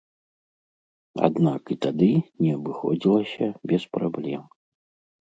Аднак і тады не абыходзілася без праблем.